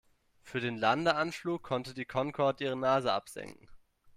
Für den Landeanflug konnte die Concorde ihre Nase absenken.